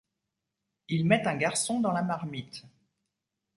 Il met un garçon dans la marmite.